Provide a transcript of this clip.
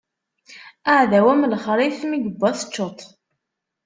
Aɛdaw am lexṛif mi iwwa teččeḍ-t.